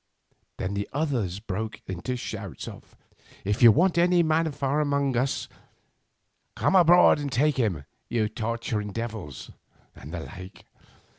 "Then the others broke into shouts of: "'If you want any man from among us, come aboard and take him, you torturing devils,' and the like.